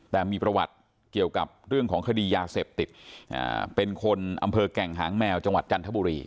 แต่มีประวัติเกี่ยวกับเรื่องของคดียาเสพติดเป็นคนอำเภอแก่งหางแมวจังหวัดจันทบุรี